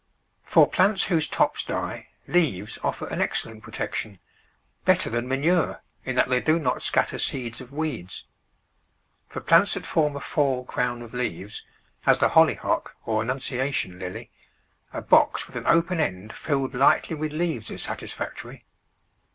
For plants whose tops die, leaves offer an excellent protection — better than manure, in that they do not scatter seeds of weeds. For plants that form a fall crown of leaves — as the Hollyhock or Annunciation Lily — a box with an open end filled lightly with leaves is satisfactory.